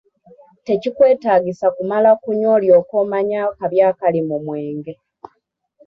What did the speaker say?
Tekikwetaagisa kumala kunywa olyoke omanye akabi akali mu mwenge.